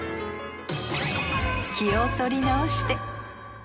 気を取り直して。